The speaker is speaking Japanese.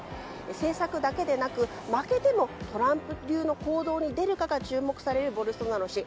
政策だけでなく負けてもトランプ流の行動に出るかが注目されるボルソナロ氏。